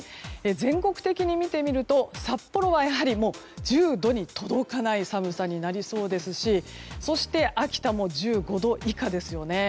全国的に見てみると札幌はやはり１０度に届かない寒さになりそうですし秋田も１５度以下ですよね。